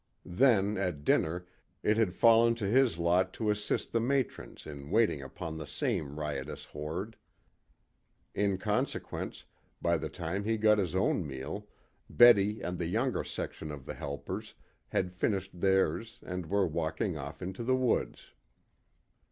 Then, at dinner, it had fallen to his lot to assist the matrons in waiting upon the same riotous horde. In consequence, by the time he got his own meal, Betty and the younger section of the helpers had finished theirs and were wandering off into the woods.